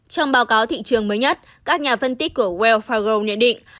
trong báo cáo thị trường mới nhất các nhà phân tích của wells fargo nhận định